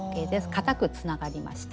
固くつながりました。